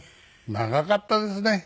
長かったですね。